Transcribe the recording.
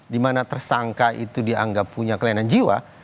di mana tersangka itu dianggap punya kelainan jiwa